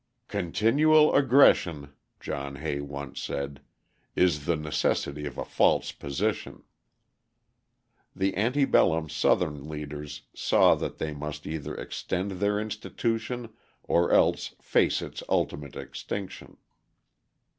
"Continual aggression," John Hay once said, "is the necessity of a false position." The ante bellum Southern leaders saw that they must either extend their institution or else face its ultimate extinction.